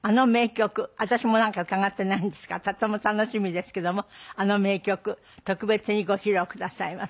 私も何か伺ってないんですがとても楽しみですけどもあの名曲特別にご披露くださいます。